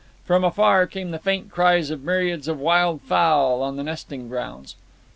From afar came the faint cries of myriads of wild fowl on the nesting grounds.